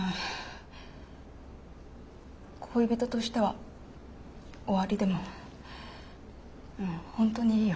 恋人としては終わりでもうん本当にいいよ。